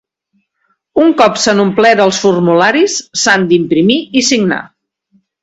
Un cop s'han omplert els formularis, s'han d'imprimir i signar.